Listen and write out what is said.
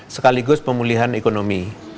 sekaligus pemulihan ekonomi